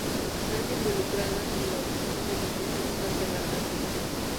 Están involucradas en la obtención de alimentos, tanto en la caza.